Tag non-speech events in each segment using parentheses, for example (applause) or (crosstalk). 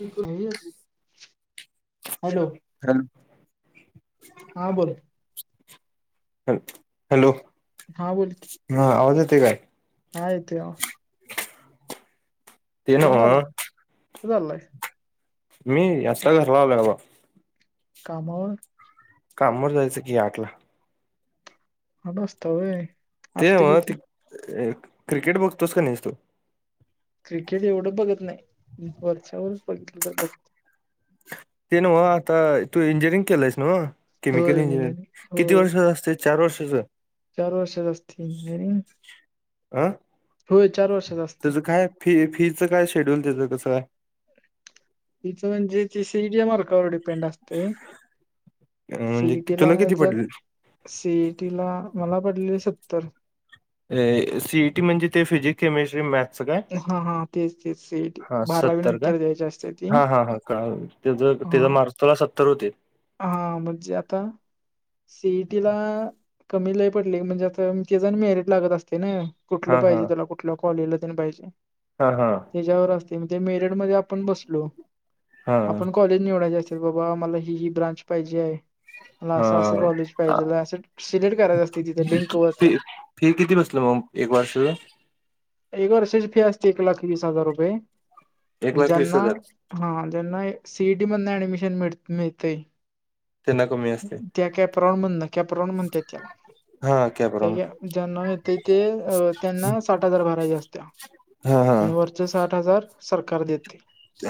ये कुठे hello hello हा बोल हॅलो! हॅलो! हा बोल की हा आवाज येतोय काय? हा येतोय आवाज. ते ना कुठं चालला, कुठं चाललाय. मी, आसा घरला आलोय बाबा. कामावर. कामावर जायचं की आठला. आट वाजता वय. ते नवं, ते क्रिकेट बघतोस का नाही तू. क्रिकेट एवढं बघत नाही, वरच्यावरच बघितलं तर बघतोय. ते नवं आता तू इंजिनिअरिंग केलंयस नवं, हो केमिकल इंजिनिअरिंग, हो किती वर्षाच असतय चार वर्षांचं. चार वर्षांचं असतय इंजीनियरिंग. अं वर्षात असते त्याचं काय फी फीच काय शेड्यूल त्याचं कसं काय? फिच म्हणजे ते सीईटीच्या मार्कावर डिपें डिपेंड असतय, म्हणजे सिईटीला तुला किती जर पडले सीईटीला, मला पडलेले सत्तर. सीईटी म्हणजे ते फिजिक्स केमिस्ट्री मॅथ स काय, हा हा तेच तेच सीईटी हा बारावी सत्तर काय, नंतर द्यायची असते ती हा हा हा कळालं. त्यज त्यज हा मार्च तला सत्तर होते. हा म्हणजे आता सीईटी ला कमी लय पडलय, म्हणजे आता आमच पण मेरिट लागत असतय नाई. कुठलं हा हा पायजे त्याला, कुठलं कॉलेजला तेन पायजे. हा हा. त्यज्यावर असतय, म् ते मेरट मध्ये आपण बसलो, हा आपण कॉलेज निवडायचे असत्यात बाबा, मला ही ही ब्रांच पायजेय. मला असं असं कॉलेज हा पाहिजेल हाय, असं सिलेक्ट करायचं असतय तिथं लिंक वर त्या. फि किती बसलं मग एक वर्षाच. एक वर्षाची फी असते एक लाख वीस हजार रुपये, एक लाख वीस ज्यांना हजार हां हां, ज्यांना सीईटी मधनं ऍडमिशन मिळ मिळतय तंना कमी हाय. त्या कॅप्रोण मधनं, कॅप्रोण म्हणत्यात त्याला. हा कॅ त्याच्या ज्यांना येतय ते, अ त्यांना साठ साठ हजार भरायची असत्या, हा आणि हा वरचं साठ हजार सरकार देतय.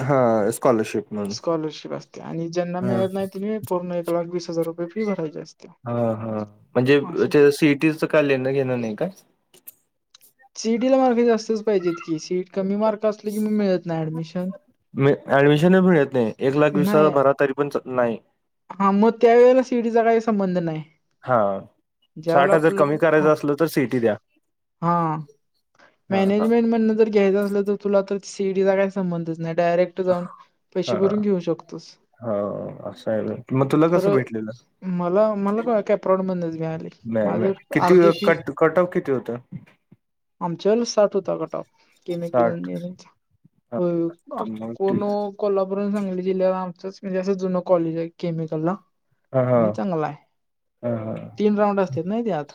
हा स्कॉलरशिप म्हणून स्कॉलरशिप असत्या, आणि ज्यांना हा मिळत नाही तनी पूर्ण एक लाख वीस हजार रुपये फी भरायची असत्या. हा हा, म्हणजे त्यजं सीईटीचं काही घेणंदेणं नाही काय. सिईटीला मार्क जास्तच पाहिजेत की, सीट कमी मार्क असले की म मिळत नाही ऍडमिशन. मी ऍडमिशन मिळत नाही, एक लाख वीस हजार नाही भरा तरी पण नाही. हा, मग त्या वेळेला सिईटीचा काही संबंध नाही. हा ज्यावेेळेला साठ हजार आपलं, कमी करायचं असलं तर सीईटी द्या हां. हा मॅनेजमेंट मधनं जर घ्यायचं असलं तर तुला तर सीईटीचा काय संबंधच नाही, डायरेक्ट जाऊन पैसे भरून घेऊ शकतोस. होव असं होय. मग तुला कसं खरं भेटलेलं, मला मला काय कॅप्रॉड मधनच मिळाली. नाही माझं (unintelligible) किती अर्धी फी कट कटऑव किती होतं? आमच्या वेळी साठ होता कटऑव केमिकल साठ इंजिनिअरिंगचा. हा हो तर मग ठीक अकोणो आहे. कोल्हापूरात सांगली जिल्ह्याला आमचच म्हणजे असं जुन कॉलेज आहे. केमिकलला. हा हा आणि चांगला हाय. हा हा तीन राऊंड असत नाही त्यात.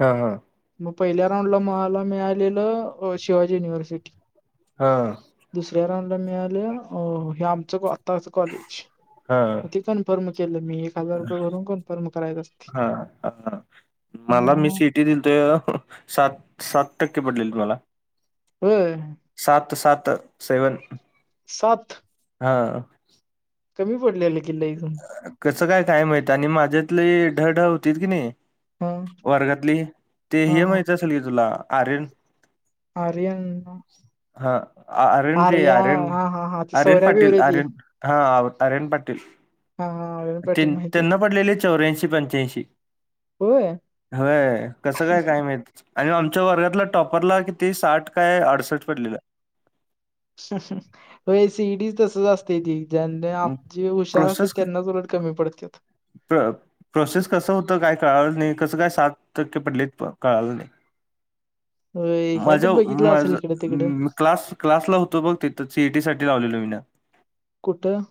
हा हा म् पहिल्या राऊंडला मला मिळालेलं शिवाजी युनिव्हर्सिटी. हं दुसऱ्या राऊंडला मिळाल्या अ हे आमचं आताच कॉलेज. हा ते कन्फर्म केलं मी एक हजार रुपय भरून कन्फर्म करायच असतय. हा हा मला मी सिटी दिलत सात सात टक्के पडलेलीत मला. होय सात सात सेवन. सात हं कमी पडलेले की लईच म्? कसं काय माहित आणि माझ्यातले ढ ढ होतीत कनी हा वर्गातली ते हा हे हा माहित असेल की तुला आर्यन? आर्यन हा आर्यन रे आर्या आर्यन हा हा हा ती आर्यन सौऱ्या पाटील बिवऱ्या ती आर्यन. हा आ आर्यन पाटील. हा हा अरुण पाटील त्यान् माहिती आहे त्यांना की पडलेले चौऱ्यांशी पंच्याऐंशी. होय व्हय कसं काय काय माहीत. आणि आमच्या वर्गातला टॉपरला किती साठ काय अडसष्ट पडलेले. होय सी ई टी तसंच अस् तय ते ज्यांनी आप् जे हुशारते प्रोसेस त्यांनाच उलट कमी पडत्यात. प्र प्रोसेस कसं होतं काय कळालं नाही कसं काय सात टक्के पडले कळालं नाही. होय काय तर माझ्याव बघितलं माझ् असेल इकडं तिकडं म् क्लास क्लासला होतो बघ तिथ सी ई टी साठी लावलेलो मीन. कुठं?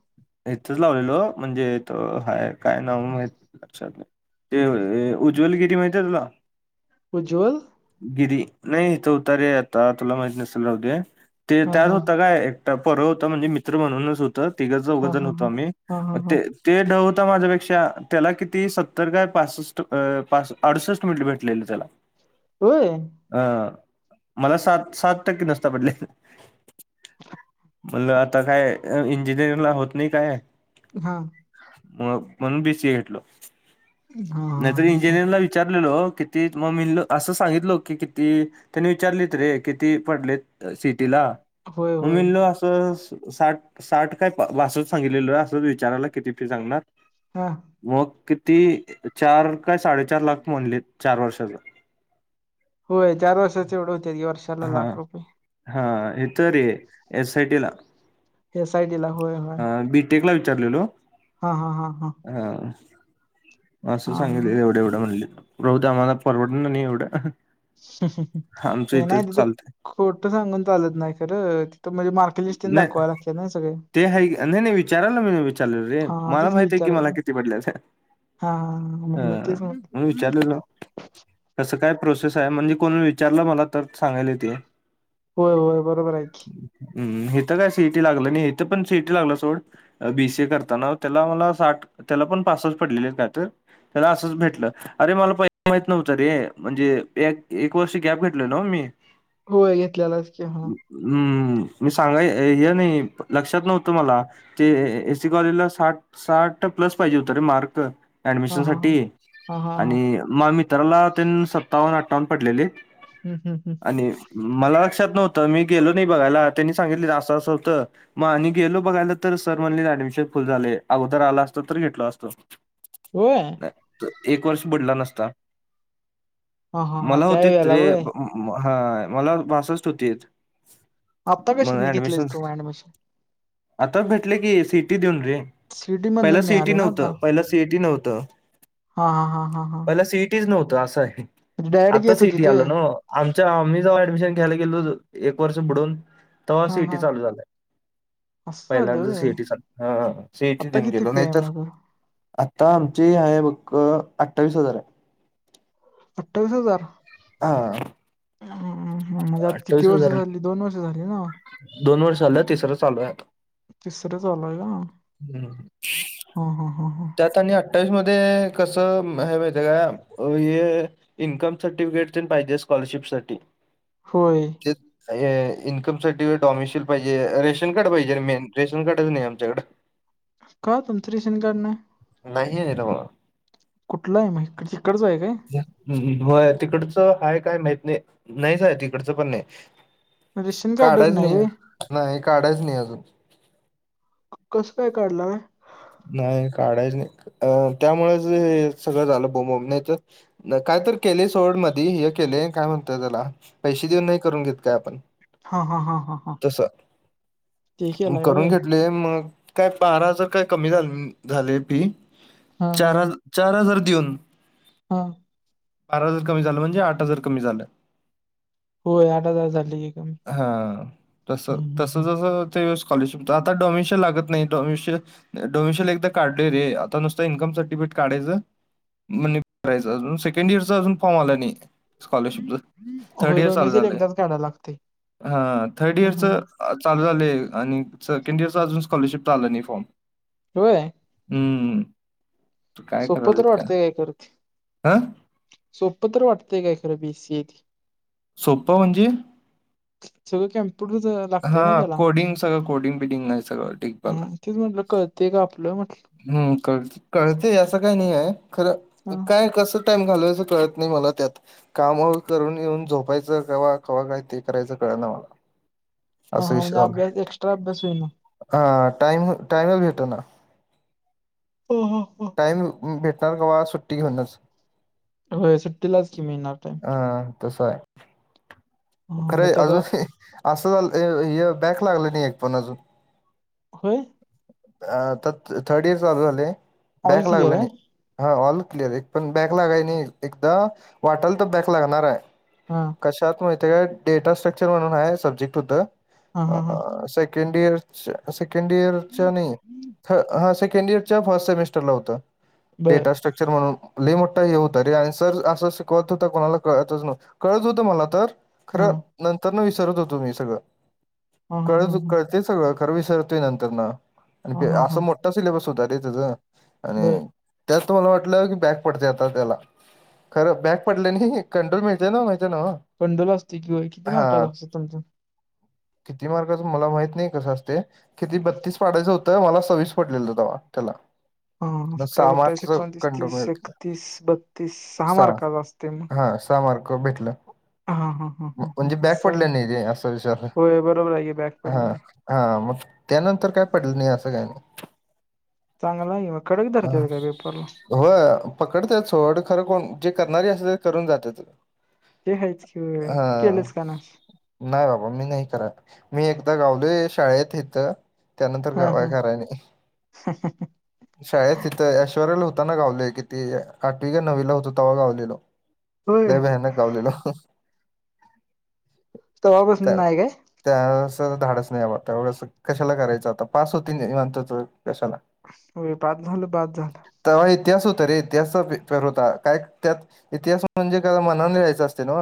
इथंच लावलेलो म्हणजे इथं हाय. काय नाव माहित लक्षात नाही, ते उज्ज्वलगिरी माहीती आहे तुला? उज्वल. गिरी नाही इथ होता रे आता तुला माहित नसेल राहूदे ते हा त्यात हा होता काय पोरगं होतं म्हणजे मित्र म्हणूनच होतं, तिघं चौघ हा मित्र हा होतो हा आम्ही हा हा म् हा ते ढ होत् माझ्यापेक्षा त्याला किती सत्तर काय पासष्ट पास अडुसष्ट मिनिट भेटलेले त्याला. (inaudible) होय. अं मला सात सात टक्के नुसत पडलेत. म्हणलं आता काय इंजिनिअरिंग ला होत नाही काय हं. म्हणून बी सी ए घेतलो, हा नाही तर हा, हा. इंजिनिअरिंगला विचारलेलो किती मग (unintelligible) असं सांगितल की किती त्यांनी विचारलीत रे किती पडलेत सिटीला होय म मी होय म्हणलो तिथ साठ साठ काय बासट सांगितलेलं असंच विचारायला किती फी सांगणार हा मग किती चार काय साडेचार लाख म्हणलीत चार वर्षाच होय चार वर्षाच एवढं होत्यात की वर्षाला हा लाख रुपय हा इथ रे एस आय टी ला एस आय टी ला होय होय टेकला विचारलेलो हा हा हा हा हा असं हा सांगितल हा एवढं एवढं म्हणलीत म ते आम्हाला परवडल नाही एवढं आमचं होय, नाही इथच तिथं चालतय खोटं सांगून चालत नाही खरं तिथं म्हणजे मार नाही ते हाय नाही नाही विचारायला चाललेलो रे हा मला तेच माहित हाय की मला विचारायचं किती पडल्यात हा हा हा म्हणून तेच म्हण म विचारलेलो कस काय प्रोसेस हाय म्हणजे कोण विचारलं मला तर सांगायला येतय होय होय बरोबर हाय की हू हिथं काय सिइटी लागलं नाही इथं पण सिइटी लागल सोड बीसीए करताना त्याला मला साठ त्याला पण पासष्ट पडलेलेच काय तर त्याला असंच भेटलं अरे मला पहिला माहित नव्हतं रे म्हणजे एक एक वर्ष गॅप घेतलेलो मी होय घेतलेलास की हा हू मी सांगाय हे नाही लक्षात नव्हतं मला ते एसी कॉलेजला साठ साठ प्लस पाहिजे होते रे मार्क हा ऍडमिशन हा साठी हा हा हा आणि मा मित्राला तेन सत्तावन्न अठ्ठावन्न पडलेले हू हू हू आणि मला लक्षात नव्हतं मी गेलो नाही बघायला त्यांनी सांगितलीत असं असं होतं मग आणि गेलो बघायला तर सर म्हणले ऍडमिशन फुल झालय अगोदर आलं असतास तर घेतलो असतो (inaudible) होय नाही, एक वर्ष बुडला नसता हा हा हा मला त्या होतीत वेळेला रे होय हा मला बासष्ट होतीत आत्ता म कशातन घेतलंयस ॲडमिशनस् तू ऍडमिशन आता भेटले की सिएटी देऊन रे सीटी पहिला मधनच सीएटी मिळाले ना आता नव्हतं पहिला सीएटी नव्हतं हा हा हा हा हा तेच नव्हत असं हाय डायरेक्ट आता घेत सीएटी होतीत होय आलं नव्ह आमच आम्ही जेव्हा ऍडमिशन घ्यायला गेलो होतो एक वर्ष बुडून तेव्हा हा सिइटी हा चालू झालय असं झालं पहिल्यांदा होय सीएटी चालू झाली हा सीएटी आता देऊन किती गेलो फी नाही आहे तर मग आता आमची आहे बघ अठ्ठावीस हजार आहे अठ्ठावीस हजार हां ह म्हणजे आता किती वर्ष हजार आहे झाली दोन वर्ष झाली ना दोन वर्ष झाल तिसरं चालू आहे आता तिसरं चालु हाय का ह ह ह ह त्यांनी अठ्ठावीस मध्ये कसं माहित हाय काय हे इन्कम सर्टिफिकेट तेनं पाहिजे स्कॉलरशिप साठी होय. हे इनकम सर्टिफिकेट डॉमिशियल पाहिजे. रेशन कार्ड पाहिजे मेन रेशन कार्डच नाही आमच्याकडं. का तुमच रेशन कार्ड नाही? नाहीये रे बाळा. कुठला आहे, मग तीकडचं आहे काय? होय तिकडचं आहे काय माहित नाही. नाहीच आहे तिकडचं पण नाही. रेशन कार्डच काढायच नाही होय का? नाही काढायच नाही अजून. कसं काय काढला नाय? नाही काढायच नाही. अ त्यामुळेच हे सगळं झालं बोंबाबोंब. नाही तर नाही काय तर केलंय सोड मधी. हे केलंय काय म्हणत्यात त्याला? पैसे देऊन नाही करून घेत काय आपण? हा हा हा हा हा तसं ते केलाय करून होय घेत नाही मग काय बारा हजार काय कमी झाले झाले फी. हा हा चार हजा चार हजार देऊन. हा. बारा हजार कमी झालं म्हणजे आठ हजार कमी झालं. होय आठ हजार झाले की कमी हा तसं हम्म तसं हम्म जसं त्यावेळेस स्कॉलरशिप होतं‌ आता डोमिशन लागत नाही डोमिशन डोमेसीअल एकदा काढलोय रे. आता नुसतं इन्कम सर्टिफिकेट काढायचं. मग निपटायचं. अजून सेकंड इयरचा अजून फॉर्म आला नाही. स्कॉलरशिपच. हम्म थर्ड होय इयर चालू डोमेसील झालंय, एकदाच काढायला लागतंय हा थर्ड इयरच हम्म चालू झालंय आणि सेकंड इयर अजून स्कॉलरशिपच आल नाही फॉर्म. होय. हम्म. सोप तर वाटतंय काय खरं ते? हां? सोपं तर वाटतंय काय खरं बीसीए ती? सोपं म्हणजे? सगळं कॅम्पुटरच हा कोडिंग सगळं कोडिंग बिडिंग नाही सगळं ठीक बाबा. हम्म तेच म्हटलं कळतंय काय आपलं म्हटलं? हम्म कळ-कळतेय असं काय नाहीये. हा खरं काय कसं टाइम घालवायचं कळत नाही मला त्यात. काम करून येऊन झोपायचं कवा कवा काय ते करायचं कळना मला. हा असा हा विषय म्हणजे झाला अभ्यास एक्स्ट्रा अभ्यास होईना. हा टाईम टाईमच भेटना. हा हा हा. टाइम भेटणार कवा सुट्टी घेऊनच. होय सुट्टीलाच की मिळणार टाईम. तस आहे. हा हा, खर मग आहे ते आता अजून हे असं झालं हे हे बॅक लागलं नाही एक पण अजून. होय? अ आता थ-थर्ड इयर चालू झालंय ऑल बॅकला क्लिअर लागलं आहे नाही. हा ऑल क्लिअर एक पण बॅक लागाय नाही‌. एकदा वाटालत बॅक लागणार आहे. हा. कशात माहितेय काय? डेटा स्ट्रक्चर म्हणून आहे सब्जेक्ट होतं हा अ हा हा सेक सेकंड इयरच सेकंड इयरच्या नाही, हा सेकंड इयरच्या फर्स्ट सेमिस्ट स्टरला होतं‌. बर डेटा स्ट्रक (unintelligible) म्हणून लय मोठा हे होत रे आणि सर असं शिकवत होतं कुणाला कळतच नव्ह् कळत होत मला तर हा खरं नंतर न विसरत होतो मी सगळं. हा हा कळत हा कळ् ते सगळं खरं विसरतंय नंतरन हा आणि हा असा हा मोठा सिलॅबस होता रे त्याचं आणि बर त्यात तर् मला वाटलं की बॅक पडते आता त्याला. खरं बॅक पडलं नाही कंट्रोल मिळतंय ना माहीतीय नव. कंडोल असतय किंवा किती मार्क असतं तुमच्? किती मार्कच मला माहित नाही कसं असतंय? किती बत्तीस पाडायचं होतं मला सव्वीस पडलेलं तवा त्याला. हं मग सहा सत्तावीस, अठ्ठावीस, मार्कच एकोणतीस, कंट्रोल तीस, मिळालं एकतीस, बत्तीस सहा मार्काच असतय मग. हा सहा मार्क भेटलं. हा हा हा हा हा हा, म्हणजे बॅक असं पडल आहे नाही रे असा विचार होय बरोबर आहे की बॅग पडलं हं. नाही हा मग त्यानंतर काय पडल नाही असं काय नाही. चांगला आहे की मग, कडक धरत्यात काय पेपरला? होय पकडत्यात सोड खरं कोण जे करणारी असतात ती करून जातात. ते हायच की मग, तू केलंस का नाय? नाही बाबा मी नाही कराय. मी एकदा गावलोय शाळेत इथं त्यानंतर हा गावाय हा कराय नाई. (inaudible) शाळेत तिथं ऐश्वर्याला होताना गावलोय किती आठवी का नवीला होतो तवा गावलेलो. होय लय भयानक गावलेलो. तवा पासन त्या नाई काय? त्या वेळच धाडस नाही बाबा एवढं कशाला करायचं आता पास होतोय निवांत कशाला. होय पास झालं, बास झालं. तवा इतिहास होता रे इतिहासचा पेपर होता काय त्यात इतिहास म्हणजे काय मनाने लिहायचं असतय नव?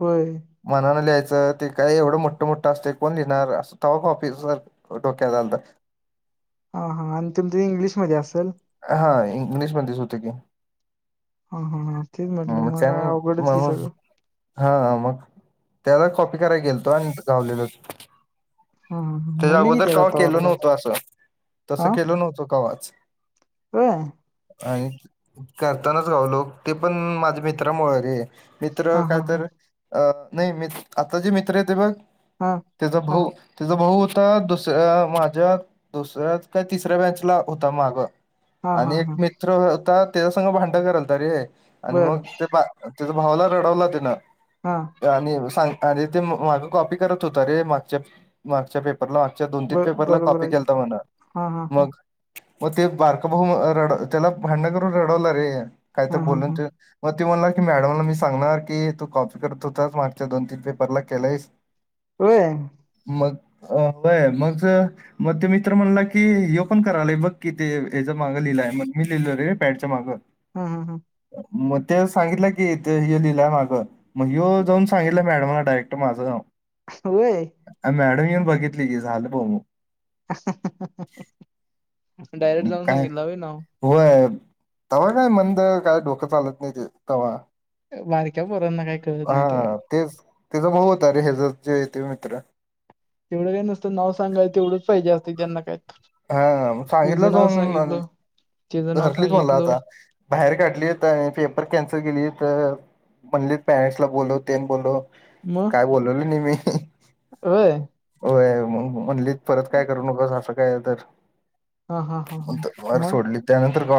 होय. मनानं लिहायचं ते काय एवढं मोठं मोठं असतय कोण लिहिणार असं तवा कॉपी सार् डोक्यात आलत. हां हां आणि तुमच इंग्लिशमध्ये असल? हां इंग्लिशमध्येच होत की. हां हां हां तेच म्हटलं मग काय अवघडच की सगळं. हां मग, त्याला वेळी कॉपी कराय गेलतो आणि गावलेलो. हा हा त्याच्या मुली अगोदर किती आहेत कवा आता केल वर्गात नव्हतं असं, तसं केल नव्हतं कव्हाच. व्हय. आणि करतानाच गावलो ते पण माझ्या मित्रामुळे रे. मित्र हा काय हा तर हा अ नाही मि् आता जे मित्र आहेत ते बघ हं त्याचा भाऊ, त्याचा भाऊ होता दुसऱ्या माझ्या दुसऱ्यात काय तिसऱ्या बॅच ला होता माग हा हा आणि एक हा मित्र होता त्याच्या संग भांड करायलता रे आणि बरं मग ते त्याचा भावला रडवलं तिन- हं आणि सांग आणि ते माग कॉपी करत होत रे मागच्या... मागच्या पेप् परला आजच्या दोन-तीन ब पेपरला बरोबर कॉपी आहे केलता म्हण हा हा हा मग मग ते बारका भाऊ रड् त्याला भांडण करून रडवलं रे काही तर हा हा बोलून हा ते मग त्यो म्हणला की मॅडमला मी सांगणार की, तू कॉपी करत होतास मागच्या दोन-तीन पेपरला केलाईस. (inaudible) होय. मग ऑफ मग मग ते मित्र म्हणला की यो पण करालय बघ कि ते याचा मागं लिहिलाय मग मी लिहिलो रे पॅडच्या मागं. हम हम ह मग ते सांगितलं की तू हे लिहिला मागं. मग ह्यो जाऊन सांगीतलाय मॅडमला डायरेक्ट माझं नाव. व्हैय अ मॅडम येऊन बघितली की झालं ब मग. डायरेक्ट जाऊन सांगितलं होय नाव. व्हय तव्हा काय मंद काय डोक चालत नाही ते तव्हा. बारक्या पोराना काय कळत नाय तवा. हेचा भाऊ होता रे हेचा येत मित्र. तेवढं काही निसतं नाव सांगाय तेवढंच पाहिजे असत त्यांना काय. हा मग हिज सांगितलं नाव जाऊन आणि सांगितलं तिज नाव धरलीत मला सांगितलो आता. बाहेर काढलीत आणि पेपर कॅन्सल केली त म्हणली पॅरेंट्सला बोलो ते बोलव. मग काय बोलवलं नाही मी होय मग म्हणलीत परत काय करू नक असं काय तर हा हा हा हा मग सोडली त्यानंतर गावात